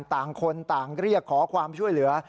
ต่างคนต่างเรียกขอความช่วยเหลือ